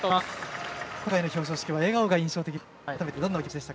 今回の表彰式は笑顔が印象的でした。